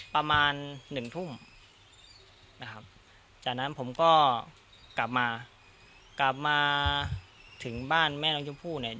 ประมาณหนึ่งทุ่มนะครับจากนั้นผมก็กลับมากลับมาถึงบ้านแม่น้องชมพู่เนี่ย